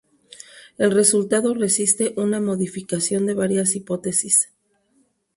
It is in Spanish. El resultado resiste una modificación de varias hipótesis.